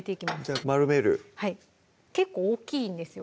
じゃあ丸める結構大きいんですよ